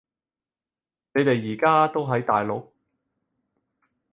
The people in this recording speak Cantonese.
你哋而家都喺大陸？